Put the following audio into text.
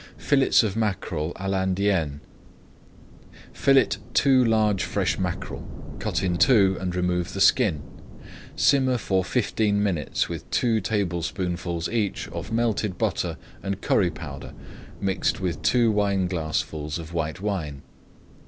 FILLETS OF MACKEREL À L'INDIENNE Fillet two large fresh mackerel, cut in two and remove the skin. Simmer for fifteen minutes with two tablespoonfuls each of melted butter and curry powder mixed with two wineglassfuls of white wine.